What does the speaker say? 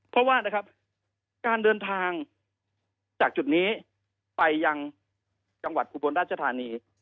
เพราะว่านะครับการเดินทางจากจุดนี้ไปยังจังหวัดอุบลราชธานี